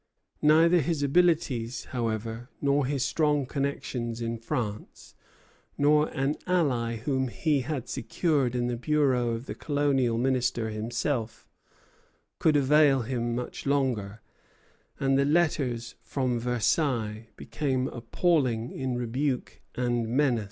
Neither his abilities, however, nor his strong connections in France, nor an ally whom he had secured in the bureau of the Colonial Minister himself, could avail him much longer; and the letters from Versailles became appalling in rebuke and menace.